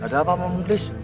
ada apa pak moklis